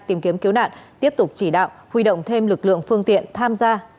tìm kiếm cứu nạn tiếp tục chỉ đạo huy động thêm lực lượng phương tiện tham gia